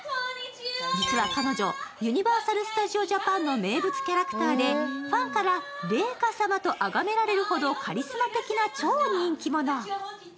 実は彼女、ユニバーサル・スタジオ・ジャパンの名物キャラクターで、ファンから麗華様とあがめられるほどカリスマ的な超人気者。